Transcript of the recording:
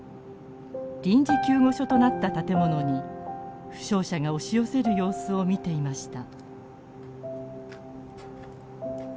臨時救護所となった建物に負傷者が押し寄せる様子を見ていました。